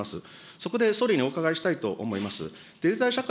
そこで総理にお伺いしたいと思います。